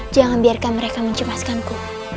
jangan biarkan mereka mencemaskanku